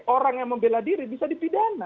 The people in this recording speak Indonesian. orang yang membela diri bisa dipidana